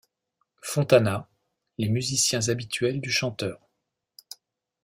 Fontana, les musiciens habituels du chanteur.